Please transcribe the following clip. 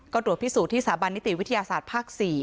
ก็ตรวจพิสูจนที่สถาบันนิติวิทยาศาสตร์ภาค๔